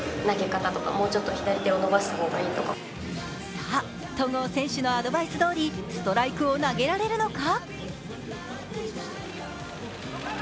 さぁ、戸郷選手のアドバイスどおりストライクを投げられるのか？